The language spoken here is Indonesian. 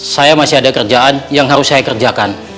saya masih ada kerjaan yang harus saya kerjakan